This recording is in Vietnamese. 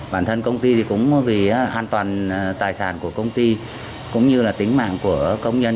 bản thân công ty thì cũng vì an toàn tài sản của công ty cũng như là tính mạng của công nhân